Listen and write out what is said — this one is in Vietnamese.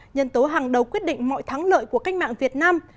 nhân tố hàng đầu quyết định mọi thắng lợi của cách mạng việt nam